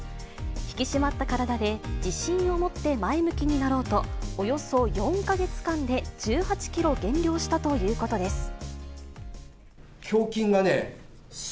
引き締まった体で自信を持って前向きになろうと、およそ４か月間で１８キロ減量したということです。